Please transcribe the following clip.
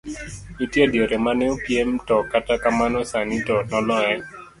Nitie diere mane opiem to kata kamano sani to noloye.